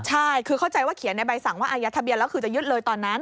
ใช่คือเข้าใจว่าเขียนในใบสั่งว่าอายัดทะเบียนแล้วคือจะยึดเลยตอนนั้น